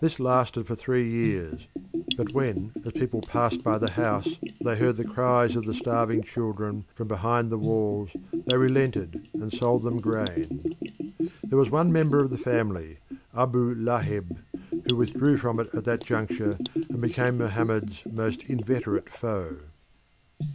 This lasted for three years, but when as people passed by the house they heard the cries of the starving children from behind the walls, they relented and sold them grain. There was one member of the family, Abu Laheb, who withdrew from it at that juncture and became Mohammed's most inveterate foe.